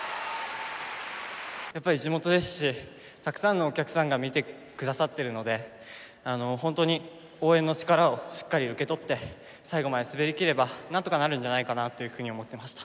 やっぱり地元ですしたくさんのお客さんが見て下さってるので本当に応援の力をしっかり受け取って最後まで滑りきればなんとかなるんじゃないかなっていうふうに思ってました。